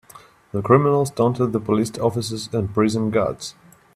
The criminals taunted the police officers and prison guards.